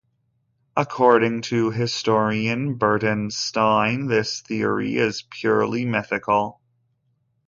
According to historian Burton Stein, this theory is purely mythical.